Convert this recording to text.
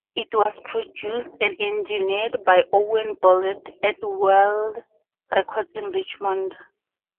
It was produced and engineered by Owen Bolwell at Whirled Records in Richmond.